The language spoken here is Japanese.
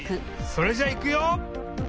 それじゃいくよ！